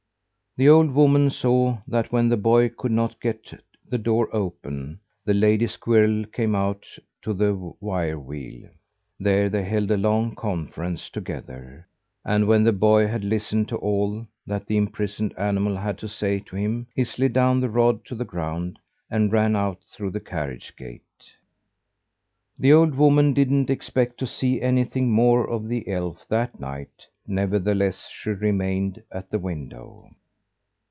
The old woman saw that when the boy could not get the door open, the lady squirrel came out to the wire wheel. There they held a long conference together. And when the boy had listened to all that the imprisoned animal had to say to him, he slid down the rod to the ground, and ran out through the carriage gate. The old woman didn't expect to see anything more of the elf that night, nevertheless, she remained at the window.